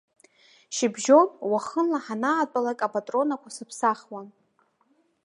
Шьыбжьон, уахынла, ҳанаатәалак апатронақәа сыԥсахуан.